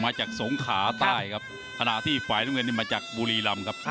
มาจากสงขาด้านนี้ั้นครับ